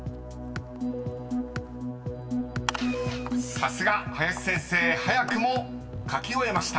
［さすが！林先生早くも書き終えました］